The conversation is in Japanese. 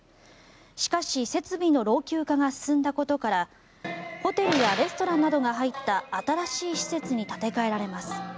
しかし設備の老朽化が進んだことからホテルやレストランなどが入った新しい施設に建て替えられます。